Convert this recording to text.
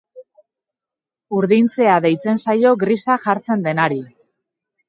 Urdintzea deitzen zaio grisa jartzen denari.